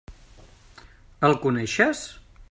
El coneixes?